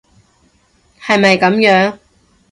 係咪噉樣？